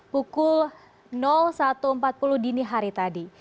pukul satu empat puluh dini hari tadi